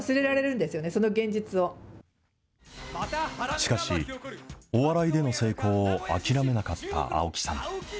しかし、お笑いでの成功を諦めなかった青木さん。